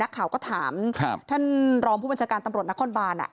นักข่าวก็ถามท่านรองผู้บัญชาการตำรวจนครบาน